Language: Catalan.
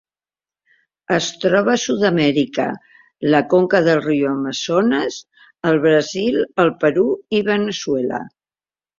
Es troba a Sud-amèrica: la conca del riu Amazones al Brasil, el Perú i Veneçuela.